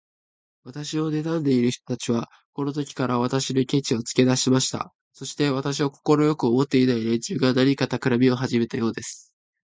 私をねたんでいる人たちは、このときから、私にケチをつけだしました。そして、私を快く思っていない連中が、何かたくらみをはじめたようです。